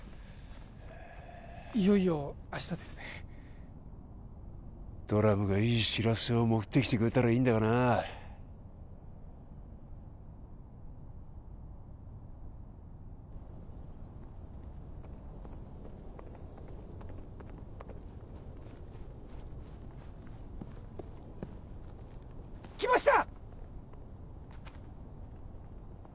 いよいよ明日ですねドラムがいい知らせを持ってきてくれたらいいんだがな来ました！